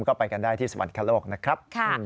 ก็ไปกันได้ที่สวรรคโลกนะครับ